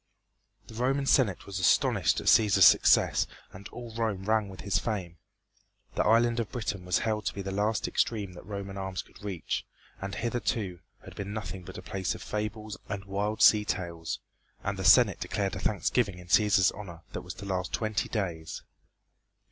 The Roman Senate was astonished at Cæsar's success and all Rome rang with his fame. The island of Britain was held to be the last extreme that Roman arms could reach, and hitherto had been nothing but a place of fables and wild sea tales, and the Senate declared a thanksgiving in Cæsar's honor that was to last twenty days.